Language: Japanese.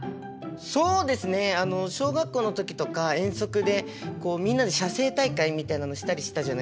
そうですね小学校の時とか遠足でみんなで写生大会みたいなのしたりしたじゃないですか。